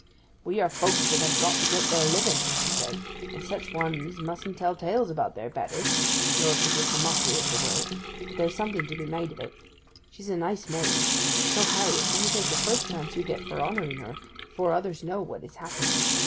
'We are folk that have got to get their living,' he said, 'and such ones mustn't tell tales about their betters,—Lord forgive the mockery of the word!—but there's something to be made of it. She's a nice maid; so, Harriet, do you take the first chance you get for honouring her, before others know what has happened.